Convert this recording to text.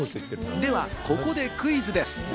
では、ここでクイズです。